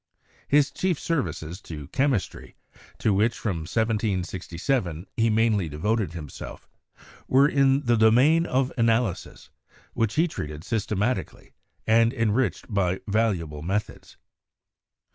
His chief services to chemistry, to which from 1767 he mainly devoted himself, were in the domain of analysis, which he treated systematically and enriched by valuable methods.